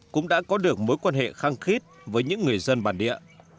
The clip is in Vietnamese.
cũng đã có được mối quan hệ khăng khít với những người dân bản địa